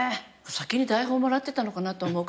先に台本もらってたのかなと思うくらい。